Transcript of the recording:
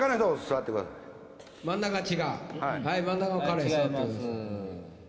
真ん中違う真ん中の彼座ってください。